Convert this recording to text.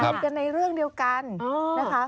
คุยกันในเรื่องเดียวกันนะคะ